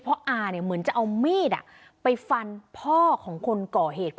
เพราะอาเนี่ยเหมือนจะเอามีดไปฟันพ่อของคนก่อเหตุ